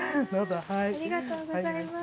ありがとうございます。